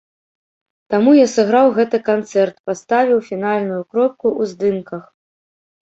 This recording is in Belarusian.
Таму я сыграў гэты канцэрт, паставіў фінальную кропку ў здымках.